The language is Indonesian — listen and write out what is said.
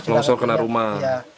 longsor kena rumah